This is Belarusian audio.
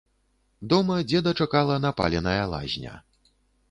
Дома дзеда чакала напаленая лазня.